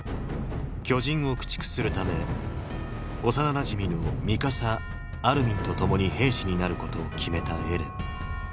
巨人を駆逐するため幼なじみのミカサアルミンと共に兵士になることを決めたエレン。